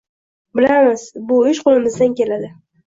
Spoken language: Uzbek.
Bilamiz, bu ish qo‘limizdan keladi